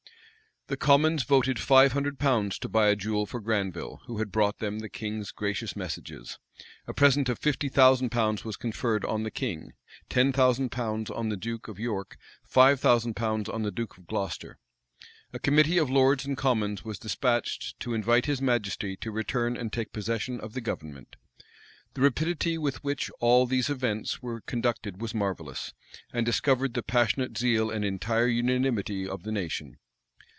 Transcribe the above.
The commons voted five hundred pounds to buy a jewel for Granville, who had brought them the king's gracious messages: a present of fifty thousand pounds was conferred on the king, ten thousand pounds on the duke of York, five thousand pounds on the duke of Gloucester. A committee of lords and commons was despatched to invite his majesty to return and take possession of the government. The rapidity with which all these events were conducted was marvellous, and discovered the passionate zeal and entire unanimity of the nation.